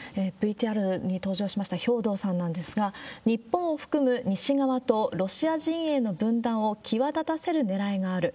ＶＴＲに登場しました兵頭さんなんですが、日本を含む西側と、ロシア陣営の分断を際立たせるねらいがある。